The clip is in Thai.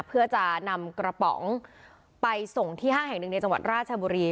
เพื่อจะนำกระป๋องไปส่งที่ห้างแห่งหนึ่งในจังหวัดราชบุรี